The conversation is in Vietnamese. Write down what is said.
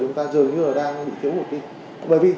chúng ta dường như là đang bị thiếu mục tiêu